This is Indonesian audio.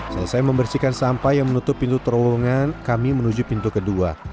selesai membersihkan sampah yang menutup pintu terowongan kami menuju pintu kedua